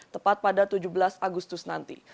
tepat pada tujuh belas agustus nanti